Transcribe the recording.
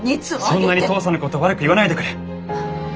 そんなに父さんのことを悪く言わないでくれ。